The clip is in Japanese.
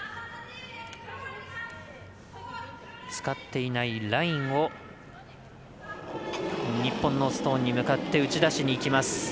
使っていないラインを日本のストーンに向かって打ち出しにいきます。